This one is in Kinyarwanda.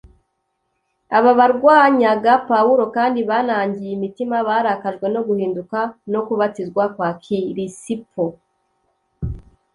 aba barwanyaga Pawulo kandi banangiye imitima barakajwe no guhinduka no kubatizwa kwa Kirisipo.